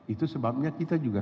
itu sebabnya kita juga